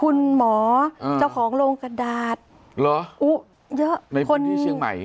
คุณหมอเจ้าของโรงกระดาษเหรออุ๊เยอะเป็นคนที่เชียงใหม่